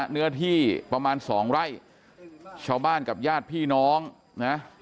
เนื้อที่ประมาณสองไร่ชาวบ้านกับญาติพี่น้องนะ